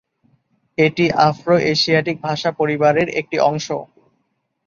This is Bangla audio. এটি আফ্রো-এশিয়াটিক ভাষা পরিবারের এর একটি অংশ।